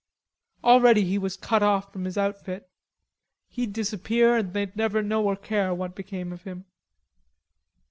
Already he was cut off from his outfit. He'd disappear and they'd never know or care what became of him.